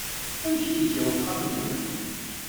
Amek iga uxxam-nwen?